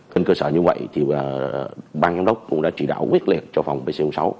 trên cơ sở như vậy thì bang giám đốc cũng đã trị đảo quyết liệt cho phòng pc sáu